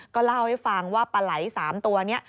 ก็เล่าให้ฟังว่าปลาไหล๓ตัวนี้